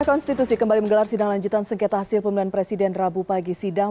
konstitusi kembali menggelar sidang lanjutan sengketa hasil pemilihan presiden rabu pagi sidang